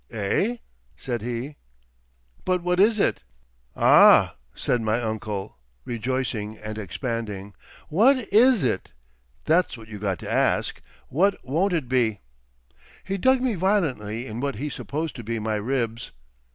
"Eh?" said he. "But what is it?" "Ah!" said my uncle, rejoicing and expanding. "What is it? That's what you got to ask? What won't it be?" He dug me violently in what he supposed to be my ribs.